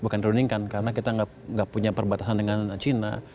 bukan dirundingkan karena kita nggak punya perbatasan dengan china